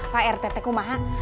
pak rt tekumaha